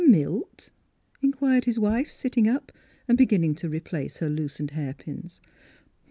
"Milt?" inquired his wife, sitting up, and beginning to replace her loosened hairpins.